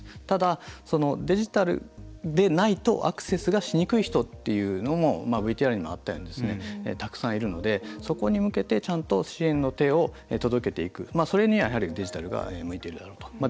ただ、デジタルでないとアクセスがしにくい人というのもＶＴＲにあったようにたくさんいるのでそこに向けてちゃんと支援の手を届けていくそれには、やはりデジタルが向いてるだろうと。